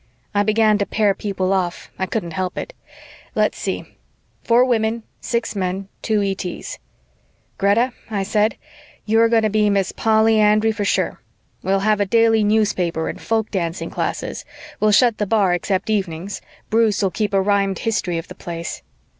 I began to pair people off; I couldn't help it. Let's see, four women, six men, two ETs. "Greta," I said, "you're going to be Miss Polly Andry for sure. We'll have a daily newspaper and folk dancing classes, we'll shut the bar except evenings, Bruce'll keep a rhymed history of the Place."